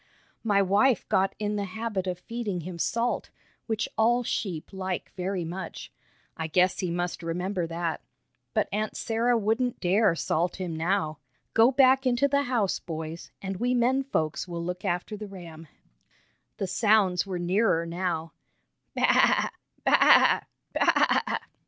My wife got in the habit of feeding him salt, which all sheep like very much. I guess he must remember that. But Aunt Sarah wouldn't dare salt him now. Go back into the house, boys, and we men folks will look after the ram." The sounds were nearer now: "Baa! Baa! Baa!"